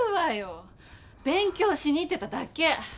勉強しに行ってただけ。